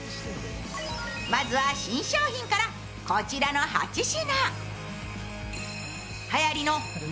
まずは新商品から、こちらの８品。